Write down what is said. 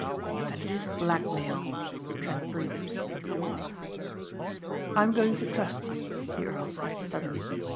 "Then it is blackmail," Trent breathed. "I am going to trust you," the earl said suddenly.